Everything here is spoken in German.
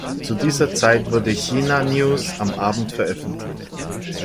Zu dieser Zeit wurde "China News" am Abend veröffentlicht.